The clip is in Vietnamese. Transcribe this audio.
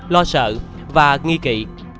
lo sợ và nghi kỳ